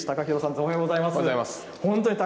おはおはようございます。